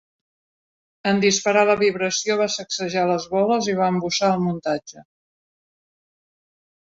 En disparar la vibració va sacsejar les boles, i va embussar el muntatge.